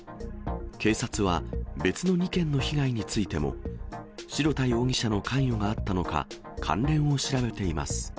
警察は、別の２件の被害についても、白田容疑者の関与があったのか、関連を調べています。